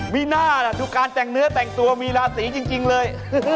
วิน่าดูการแต่งเนื้อแต่งตัวมีราศีจริงเลย